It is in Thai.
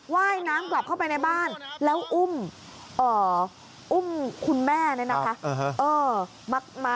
ว่ายน้ำกลับเข้าไปในบ้านแล้วอุ้มคุณแม่เนี่ยนะคะ